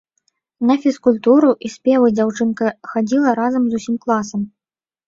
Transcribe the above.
На фізкультуру і спевы дзяўчынка хадзіла разам з усім класам.